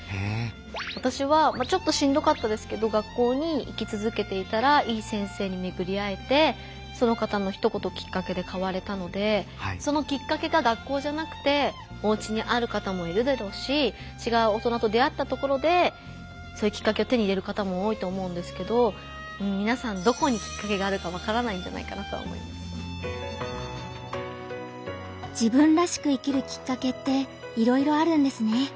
私はちょっとしんどかったですけど学校に行きつづけていたらいい先生にめぐり会えてその方のひと言きっかけで変われたのでそのきっかけが学校じゃなくておうちにある方もいるだろうし違う大人と出会ったところでそういうきっかけを手に入れる方も多いと思うんですけどみなさん自分らしく生きるきっかけっていろいろあるんですね。